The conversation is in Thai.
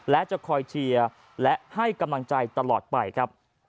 และจะคอยเชียร์และให้กำลังใจตลอดไปครับ